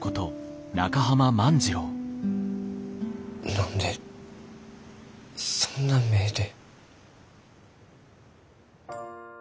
何でそんな目で。